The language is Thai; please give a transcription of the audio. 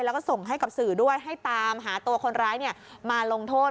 แล้วก็ส่งให้กับสื่อด้วยให้ตามหาตัวคนร้ายมาลงโทษ